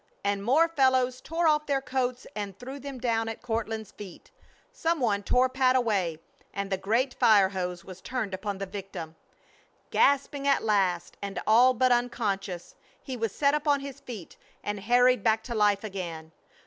and more fellows tore off their coats and threw them down at Courtland's feet; some one tore Pat away, and the great fire hose was turned upon the victim. Gasping at last, and all but unconscious, he was set upon his feet, and harried back to life again.